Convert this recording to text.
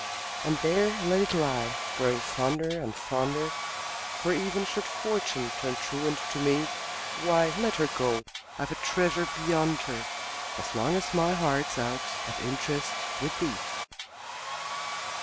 And there let it lie, growing fonder and, fonder For, even should Fortune turn truant to me, Why, let her go I've a treasure beyond her, As long as my heart's out at interest With thee!